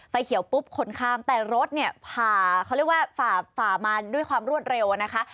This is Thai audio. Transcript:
ไฟเขียวปุ๊บคนข้ามแต่รถผ่ามาด้วยความรวดเร็วนะคะ